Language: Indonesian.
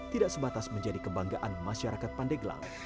tidak sebatas menjadi kebanggaan masyarakat pandeglang